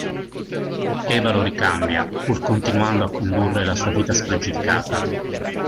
Eva lo ricambia pur continuando a condurre la sua vita spregiudicata.